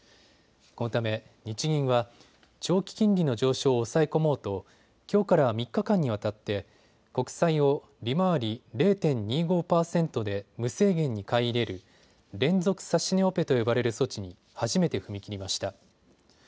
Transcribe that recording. このため日銀は長期金利の上昇を抑え込もうときょうから３日間にわたって国債を利回り０．２５％で無制限に買い入れる連続指値オペと呼ばれる措置に初めて踏み切りました。